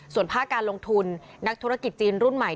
ส่วนภาคการลงทุนนักธุรกิจจีนรุ่นใหม่